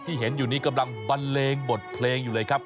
เห็นอยู่นี้กำลังบันเลงบทเพลงอยู่เลยครับ